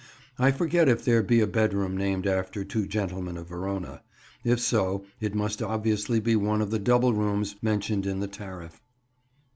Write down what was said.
I forget if there be a bedroom named after Two Gentlemen of Verona. If so, it must obviously be one of the double rooms mentioned in the tariff.